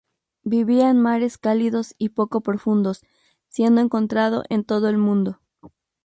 Vivía en mares cálidos y poco profundos, siendo encontrado en todo el mundo.